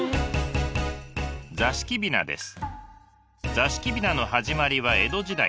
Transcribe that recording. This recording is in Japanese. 座敷雛の始まりは江戸時代。